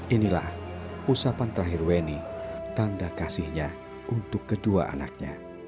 inilah usapan terakhir weni tanda kasihnya untuk kedua anaknya